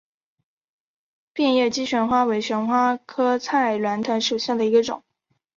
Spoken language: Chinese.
变叶姬旋花为旋花科菜栾藤属下的一个种。